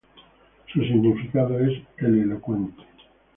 Su significado es "El elocuente".